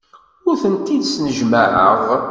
Ur tent-id-snejmaɛeɣ.